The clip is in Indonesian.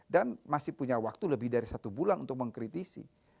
dan masih punya waktu lebih dari satu bulan untuk mengkritisi